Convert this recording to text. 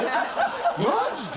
マジで？